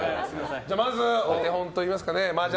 まずお手本といいますか麻雀